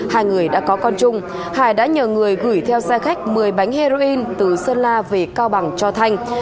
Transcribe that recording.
hai người đã có con chung hải đã nhờ người gửi theo xe khách một mươi bánh heroin từ sơn la về cao bằng cho thanh